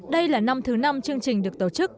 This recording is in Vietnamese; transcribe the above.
đây là năm thứ năm chương trình được tổ chức